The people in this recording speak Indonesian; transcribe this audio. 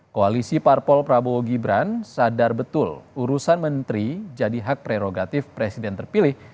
koalisi parpol prabowo gibran sadar betul urusan menteri jadi hak prerogatif presiden terpilih